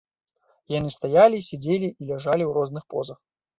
Яны стаялі, сядзелі і ляжалі ў розных позах.